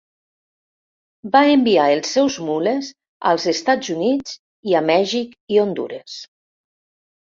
Va enviar els seus mules als Estats Units, i a Mèxic i Hondures.